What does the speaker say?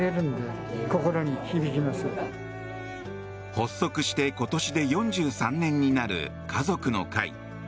発足して今年で４３年になる家族の会。